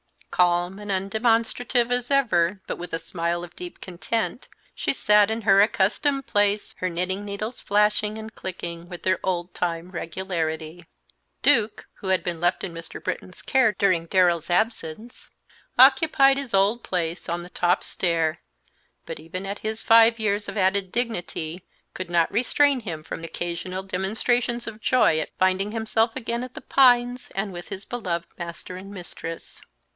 Calm and undemonstrative as ever, but with a smile of deep content, she sat in her accustomed place, her knitting needles flashing and clicking with their old time regularity. Duke, who had been left in Mr. Britton's care during Darren's absence, occupied his old place on the top stair, but even his five years of added dignity could not restrain him from occasional demonstrations of joy at finding himself again at The Pines and with his beloved master and mistress.